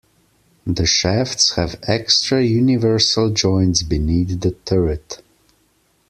The shafts have extra universal joints beneath the turret.